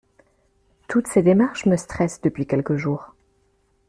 Toutes ces démarches me stressent depuis quelques jours.